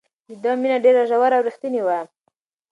د ده مینه ډېره ژوره او رښتینې وه.